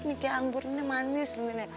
nih kayak anggurnya manis